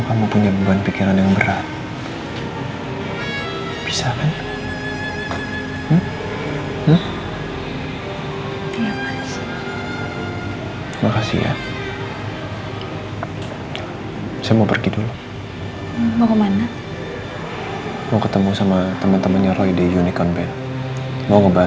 kamu tahu nak siapa papa dan mama kamu yang sebenarnya